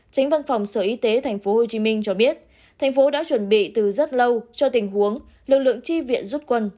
tránh văn phòng sở y tế tp hcm cho biết thành phố đã chuẩn bị từ rất lâu cho tình huống lực lượng tri viện rút quân